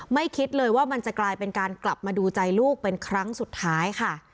คิดเลยว่ามันจะกลายเป็นการกลับมาดูใจลูกเป็นครั้งสุดท้ายค่ะ